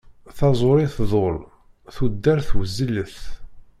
Taẓuri tḍul, tudert wezzilet.